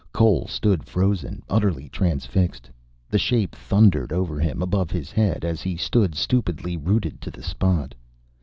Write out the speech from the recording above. Cole stood frozen, utterly transfixed. The shape thundered over him, above his head, as he stood stupidly, rooted to the spot.